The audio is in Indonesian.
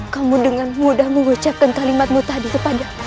kamu dengan mudah mengucapkan kalimatmu tadi kepadamu